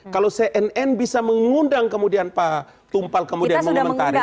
kalau cnn bisa mengundang kemudian pak tumpal kemudian mengomentari